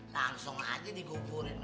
langsung aja diguburin